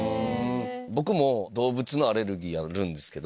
僕も動物のアレルギーあるんですけど。